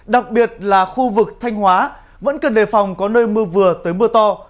đặc biệt là khu vực thanh hóa vẫn cần đề phòng có nơi mưa vừa tới mưa to